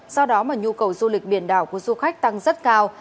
do đó mà nhu cầu du lịch biển đảo của du khách tăng rất cao